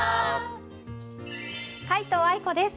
皆藤愛子です。